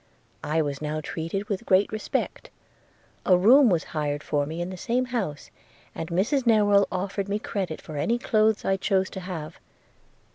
– I was now treated with great respect – A room was hired for me in the same house, and Mrs Newill offered me credit for any clothes I chose to have.